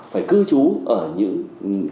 phải cư trú ở những